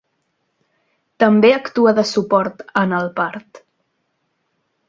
També actua de suport en el part.